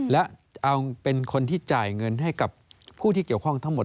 และเอาเป็นคนที่จ่ายเงินให้กับผู้ที่เกี่ยวข้องทั้งหมด